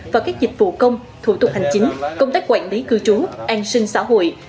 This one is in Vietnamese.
và các dịch vụ công thủ tục hành chính công tác quản lý cư trú an sinh xã hội